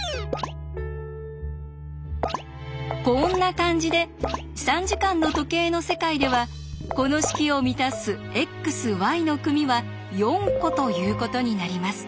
こんな感じで３時間の時計の世界ではこの式を満たすｘｙの組は４個ということになります。